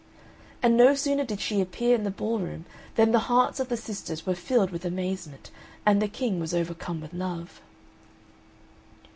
And no sooner did she appear in the ball room than the hearts of the sisters were filled with amazement, and the King was overcome with love.